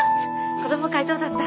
子供会どうだった？